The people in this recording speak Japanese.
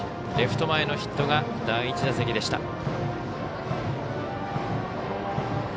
レフト前のヒットが第１打席でした。